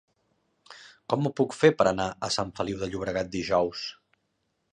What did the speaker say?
Com ho puc fer per anar a Sant Feliu de Llobregat dijous?